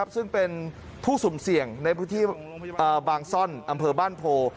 ซึ่งเป็นผู้สุ่มเสี่ยงในพื้นที่บางซ่อนอำเภอบ้านโพ